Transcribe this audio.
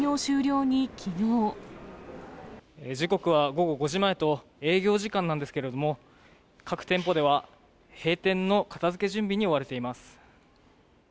時刻は午後５時前と、営業時間なんですけれども、各店舗では、閉店の片づけ準備に追われています。